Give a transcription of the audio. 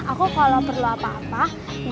aku kalau perlu apa apa